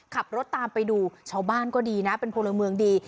ขับรถตามไปดูชาวบ้านก็ดีนะเป็นพลเมืองดี